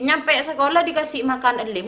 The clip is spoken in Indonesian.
sampai sekolah dikasih makan lima